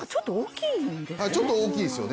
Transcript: ちょっと大きいんですね。